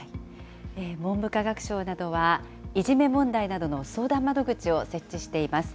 文部科学省などは、いじめ問題などの相談窓口を設置しています。